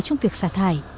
trong việc xả thải